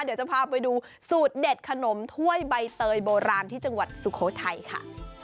เดี๋ยวจะพาไปดูสูตรเด็ดขนมถ้วยใบเตยโบราณที่จังหวัดสุโขทัยค่ะ